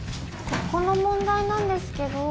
ここの問題なんですけど。